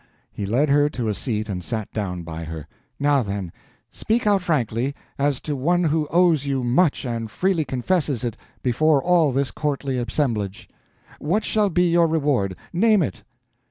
He led her to a seat and sat down by her. "Now, then, speak out frankly, as to one who owes you much and freely confesses it before all this courtly assemblage. What shall be your reward? Name it."